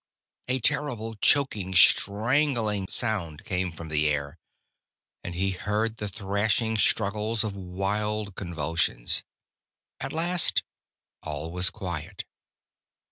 A terrible choking, strangling sound came from the air. And he heard the thrashing struggles of wild convulsions. At last all was quiet.